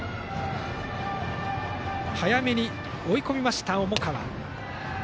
早めに追い込みました重川。